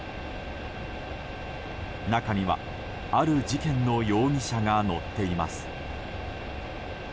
中には、ある事件の容疑者が乗っています。